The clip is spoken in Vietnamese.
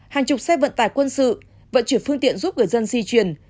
hàng chục xe vận tải quân sự vận chuyển phương tiện giúp người dân di chuyển